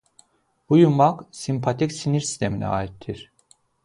Bu yumaq simpatik sinir sisteminə aiddir.